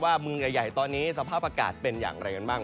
เมืองใหญ่ตอนนี้สภาพอากาศเป็นอย่างไรกันบ้าง